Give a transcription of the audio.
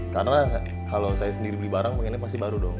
karena kalau saya sendiri beli barang pengennya pasti baru dong